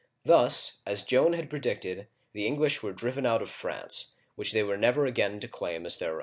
Thus, as Joan had predicted, the English were driven out of France, which they were never again to claim as their own, o.